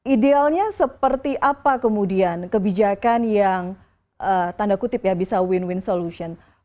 idealnya seperti apa kemudian kebijakan yang tanda kutip ya bisa win win solution